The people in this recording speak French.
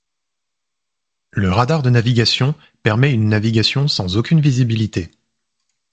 Le radar de navigation permet une navigation sans aucune visibilité.